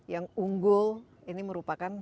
yang unggul ini merupakan